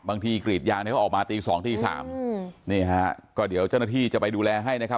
กรีดยางเนี่ยเขาออกมาตีสองตีสามนี่ฮะก็เดี๋ยวเจ้าหน้าที่จะไปดูแลให้นะครับ